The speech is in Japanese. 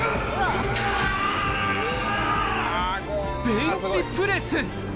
ベンチプレス！